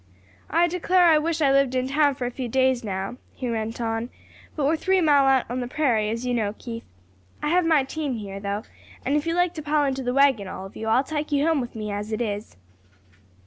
"I declare I wish I lived in town for a few days now," he went on, "but we're three mile out on the prairie, as you know, Keith. I have my team here, though, and if you like to pile into the wagon, all of you, I'll take you home with me, as it is."